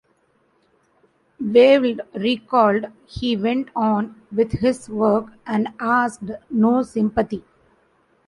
Wavell recalled: He went on with his work and asked no sympathy.